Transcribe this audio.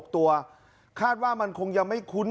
ตัวคาดว่ามันคงยังไม่คุ้น